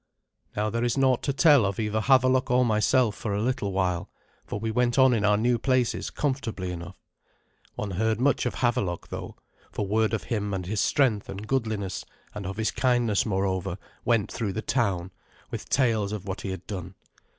Now there is naught to tell of either Havelok or myself for a little while, for we went on in our new places comfortably enough. One heard much of Havelok, though, for word of him and his strength and goodliness, and of his kindness moreover, went through the town, with tales of what he had done.